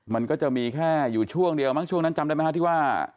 มันก็จะมีแค่อยู่ช่วงเดียวมั้งช่วงนั้นจำได้ไหมฮะที่ว่า